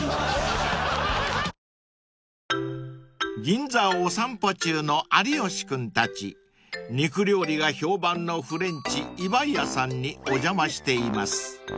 ［銀座をお散歩中の有吉君たち肉料理が評判のフレンチＩＢＡＩＡさんにお邪魔しています］